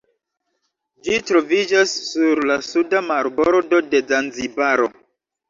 Ĝi troviĝas sur la suda marbordo de Zanzibaro.